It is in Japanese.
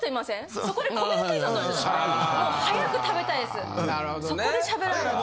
そこでしゃべられると。